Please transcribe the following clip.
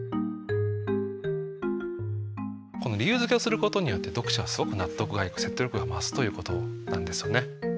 この理由づけをすることによって読者はすごく納得がいく説得力が増すということなんですよね。